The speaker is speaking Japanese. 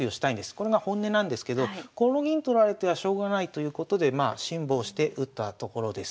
これが本音なんですけどこの銀取られてはしょうがないということでまあ辛抱して打ったところです。